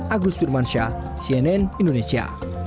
agus turmansya cnn indonesia